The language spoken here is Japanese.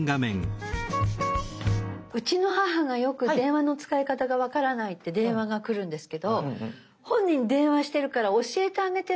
うちの母がよく電話の使い方が分からないって電話が来るんですけど本人電話してるから教えてあげても。